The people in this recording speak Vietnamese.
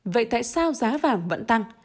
vậy tại sao giá vàng vẫn tăng